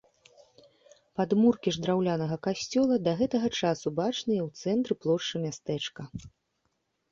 Падмуркі ж драўлянага касцёла да гэтага часу бачныя ў цэнтры плошчы мястэчка.